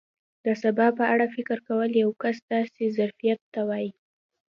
د سبا په اړه فکر کول یو کس داسې ظرفیت ته وایي.